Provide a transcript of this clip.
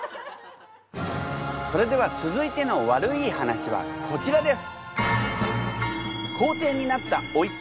それでは続いての悪イイ話はこちらです！